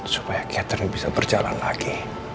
supaya catering bisa berjalan lagi